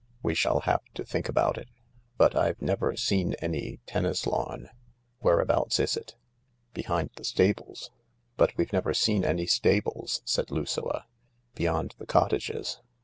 " We shall have to think about it , But I've never seen any tennis lawn. Where abouts is it ?"" Behind the stables." " But we've never seen any stables !" said Lucilla. " Beyond the cottages."